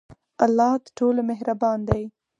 الله د ټولو مهربان دی.